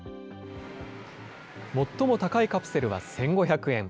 最も高いカプセルは１５００円。